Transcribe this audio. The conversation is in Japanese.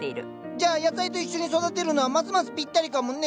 じゃあ野菜と一緒に育てるのはますますぴったりかもね。